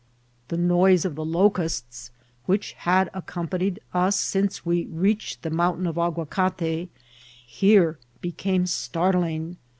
The noise of the locusts, which had accompanied us since we reached the mountain of Aguacate, here be came startling.